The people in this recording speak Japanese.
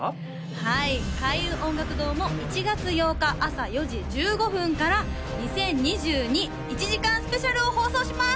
はい開運音楽堂も１月８日あさ４時１５分から２０２２１時間ＳＰ！！を放送します！